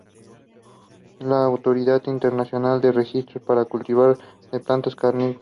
Es la Autoridad Internacional de Registros para cultivares de plantas carnívoras.